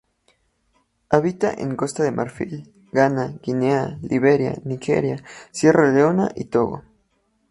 Habita en Costa de Marfil, Ghana, Guinea, Liberia, Nigeria, Sierra Leona y Togo.